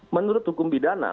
menurut hukum bidana